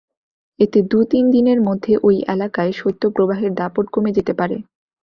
এতে দু তিন দিনের মধ্যে ওই এলাকায় শৈত্যপ্রবাহের দাপট কমে যেতে পারে।